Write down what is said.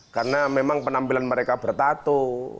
karena memang penampilan mereka bertatu